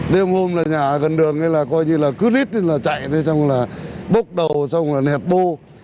đêm hôm là nhà gần đường thì là coi như là cứ rít chạy bốc đầu xong là nẹt bô